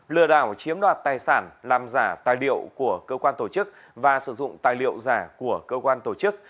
lừa đảo chiếm đoạt tài sản làm giả tài liệu của cơ quan tổ chức và sử dụng tài liệu giả của cơ quan tổ chức